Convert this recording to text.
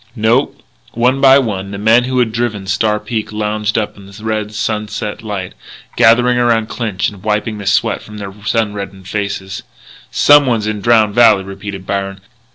"No." One by one the men who had driven Star Peak lounged up in the red sunset light, gathering around Clinch and wiping the sweat from sun reddened faces. "Someone's in Drowned Valley," repeated Byron.